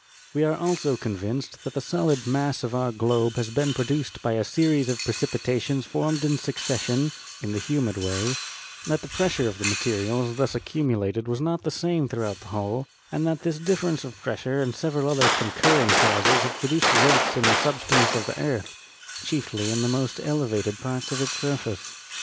We are also convinced that the solid mass of our globe has been produced by a series of precipitations formed in succession (in the humid way) ; that the pres sure of the materials thus accumulated was not the same throughout the whole ; and that this difference of pressure and several other concurring causes have produced rents in the substance of the earth, chiefly in the most elevated parts of its surface.